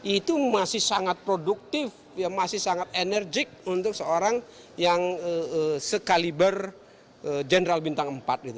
itu masih sangat produktif masih sangat enerjik untuk seorang yang sekaliber general bintang empat gitu